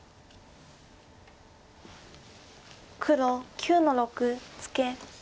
黒９の六ツケ。